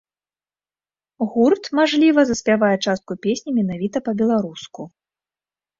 Гурт, мажліва, заспявае частку песні менавіта па-беларуску.